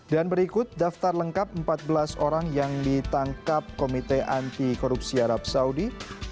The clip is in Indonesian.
dan berikut daftar lengkap empat belas orang yang ditangkap komite anti korupsi arab saudi